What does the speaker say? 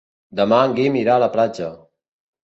Demà en Guim irà a la platja.